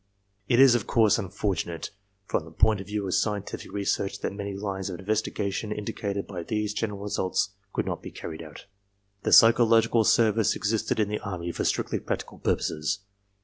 It is of course unfortunate from the point of view of scientific research that many lines of investigation indicated by these general results could not be carried out. The psychological service existed in the Army for strictly practical purposes.